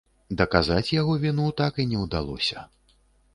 Даказаць яго віну так і не ўдалося.